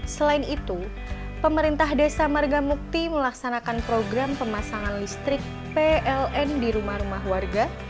selain itu pemerintah desa margamukti melaksanakan program pemasangan listrik pln di rumah rumah warga